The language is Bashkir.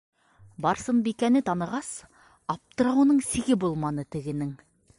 Барсынбикәне танығас, аптырауының сиге булманы тегенең.